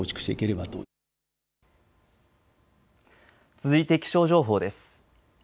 続いて気象情報です。